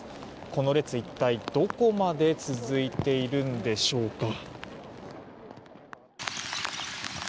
この列、一体どこまで続いているんでしょうか。